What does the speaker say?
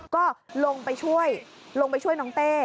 ก็ลงไปช่วยน้องเต้